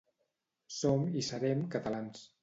Som hi serem catalans